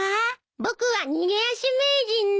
僕は逃げ足名人です。